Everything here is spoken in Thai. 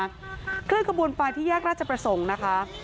เคลื่อนขบวนไปที่แยกราชประสงค์นะคะ